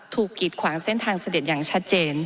กีดขวางเส้นทางเสด็จอย่างชัดเจน